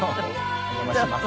お邪魔します。